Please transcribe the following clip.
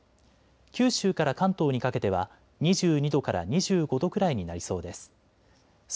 九州から関東にかけては２２度から２５度くらいになりそうです。